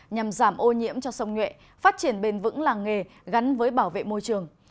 nhằm giảm ô nhiễm cho sông nhuệ phát triển bền vững làng nghề gắn với bảo vệ môi trường